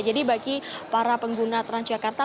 jadi bagi para pengguna transjakarta